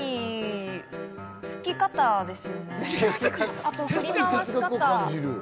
吹き方ですよね。